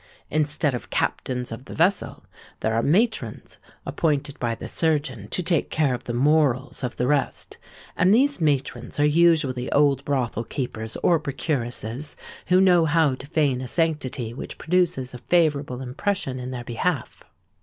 Instead of captains of the vessel, there are matrons appointed by the surgeon to take care of the morals of the rest; and these matrons are usually old brothel keepers or procuresses, who know how to feign a sanctity which produces a favourable impression in their behalf.